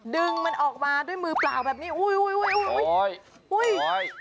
ดึงมันออกมาด้วยมือเปล่าแบบนี้อุ้ย